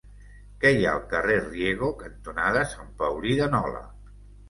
Què hi ha al carrer Riego cantonada Sant Paulí de Nola?